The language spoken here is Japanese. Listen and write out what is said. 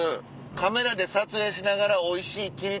カメラで撮影しながらおいしいきり